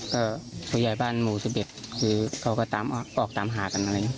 ก็คุณยายบ้านหมู่๑๑คือเขาก็ออกตามหากันเลย